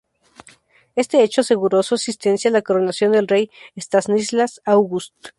Este hecho aseguró su asistencia a la coronación del rey Stanislas August.